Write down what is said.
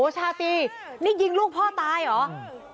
ชาตรีนี่ยิงลูกพ่อตายเหรอ